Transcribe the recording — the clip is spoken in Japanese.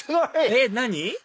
えっ何？